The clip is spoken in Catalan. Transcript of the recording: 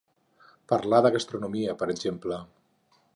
Parlar de gastronomia, per exemple.